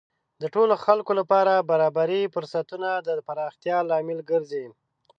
د ټولو خلکو لپاره برابرې فرصتونه د پراختیا لامل ګرځي.